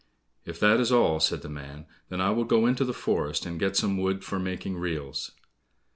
"If that is all," said the man, "then I will go into the forest, and get some wood for making reels."